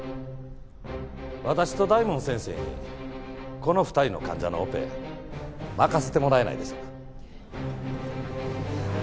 私と大門先生にこの２人の患者のオペ任せてもらえないでしょうか？